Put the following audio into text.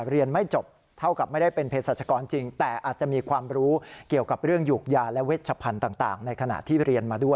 เรียนไม่จบเท่ากับไม่ได้เป็นเพศรัชกรจริง